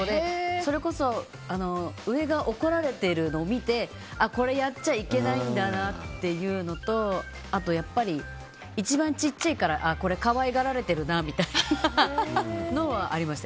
それこそ上が怒られているのを見てこれ、やっちゃいけないんだなっていうのとあと、一番小さいから可愛がられてるなみたいなのはありました。